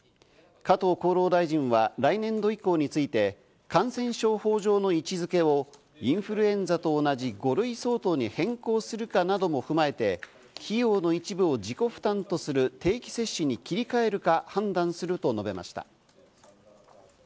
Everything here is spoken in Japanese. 加藤厚労大臣は来年度以降について、感染症法上の位置付けをインフルエンザと同じ５類相当に変更するかなども踏まえて費用の一部を自己負担とする定期接種に切り替えるか判断すると述べました。